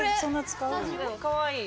かわいい。